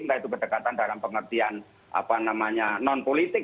entah itu kedekatan dalam pengertian non politik